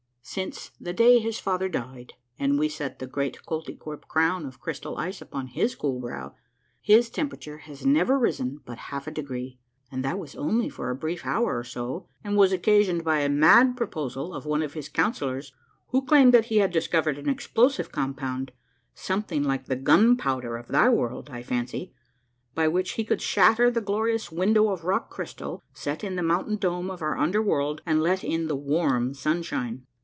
Since the day his father died and we set the great Koltykwerp crown of crystal ice upon his cool brow, his temperature has never A MAHVELLOl/S UNDERGROUND JOURNEY 163 risen but a half a degree, and that was only for a brief hour or so, and was occasioned by a mad proposal of one of his council lors, who claimed that he had discovered an explosive compound, something like the gunpowder of thy world, I fancy, by which he could shatter the glorious window of rock crystal set in the mountain dome of our under world and let in the warm sun shine."